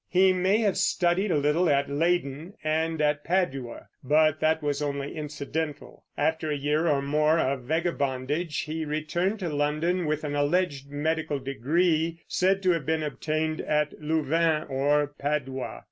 He may have studied a little at Leyden and at Padua, but that was only incidental. After a year or more of vagabondage he returned to London with an alleged medical degree, said to have been obtained at Louvain or Padua.